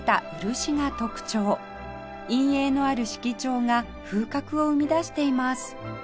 陰影のある色調が風格を生み出しています